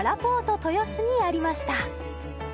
豊洲にありました